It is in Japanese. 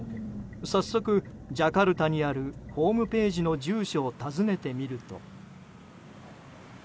早速、ジャカルタにあるホームページの住所を訪ねてみると。